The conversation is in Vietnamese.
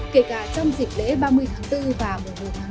kể cả trong dịch lễ ba mươi tháng bốn và một mươi một tháng năm